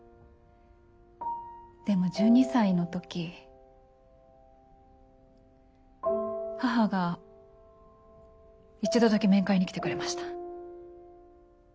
でも１２歳の時母が一度だけ面会に来てくれました。